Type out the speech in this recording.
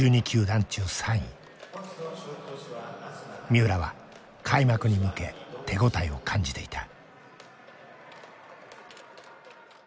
三浦は開幕に向け手応えを感じていた。